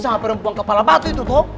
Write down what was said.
sampai udah buang kepala batu itu toh